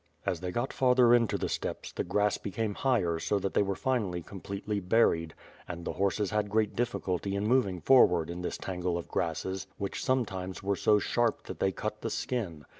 As they got farther into the steppes, the grass became higher so that they were finally completely buried and the horses had great dilliculty in moving forward in this tangle of grasses which sometimes were so sharp that they cut the skin.